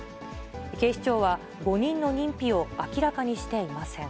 警視庁は、５人の認否を明らかにしていません。